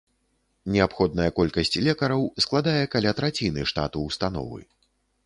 Неабходная колькасць лекараў складае каля траціны штату ўстановы.